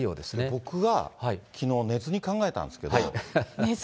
僕はきのう、寝ずに考えたんですけど。